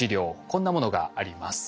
こんなものがあります。